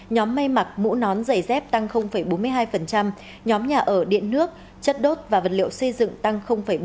nhóm may mặc mũ nón giày dép tăng bốn mươi hai nhóm nhà ở điện nước chất đốt và vật liệu xây dựng tăng bốn mươi bốn